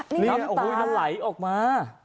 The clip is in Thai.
น้ำไหลออกมา